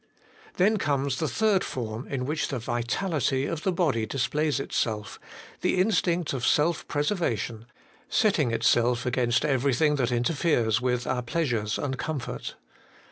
Then comes the third form in which the vitality of the body 212 HOLY IN CHRIST. displays itself : the instinct of self preservation, setting itself against everything that interferes with our pleasures and comfort.